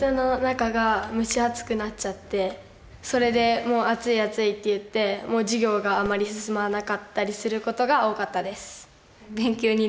それで「暑い暑い」って言って授業があまり進まなかったりする事が多かったです。